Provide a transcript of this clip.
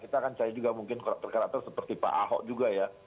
kita akan cari juga mungkin karakter karakter seperti pak ahok juga ya